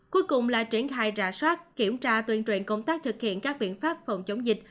cuối cùng là triển khai rà soát kiểm tra tuyên truyền công tác thực hiện các biện pháp phòng chống dịch